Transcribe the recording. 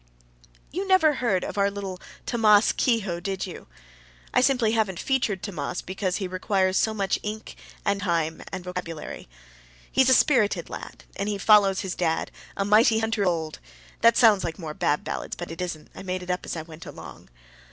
You never heard of our little Tammas Kehoe, did you? I simply haven't featured Tammas because he requires so much ink and time and vocabulary. He's a spirited lad, and he follows his dad, a mighty hunter of old that sounds like more Bab Ballads, but it isn't; I made it up as I went along.